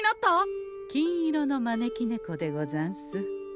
金色の招き猫でござんす。